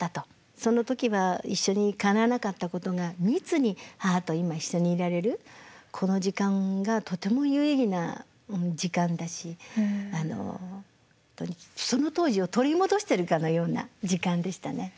その時は一緒にかなわなかったことが密に母と今一緒にいられるこの時間がとても有意義な時間だし本当にその当時を取り戻してるかのような時間でしたね。